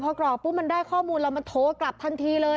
พอกรอกปุ๊บมันได้ข้อมูลแล้วมันโทรกลับทันทีเลย